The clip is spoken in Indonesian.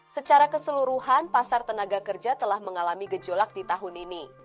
secara keseluruhan pasar tenaga kerja telah mengalami gejolak di tahun ini